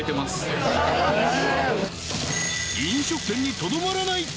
飲食店にとどまらない！